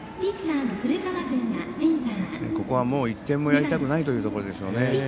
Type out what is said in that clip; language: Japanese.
ここはもう１点もやりたくないということでしょうね。